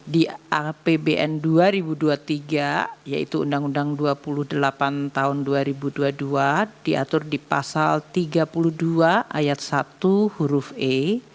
di apbn dua ribu dua puluh tiga yaitu undang undang dua puluh delapan tahun dua ribu dua puluh dua diatur di pasal tiga puluh dua ayat satu huruf e